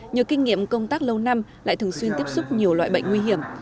nhờ kinh nghiệm công tác lâu năm lại thường xuyên tiếp xúc nhiều loại bệnh nguy hiểm